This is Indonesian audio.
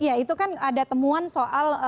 ya itu kan ada temuan soal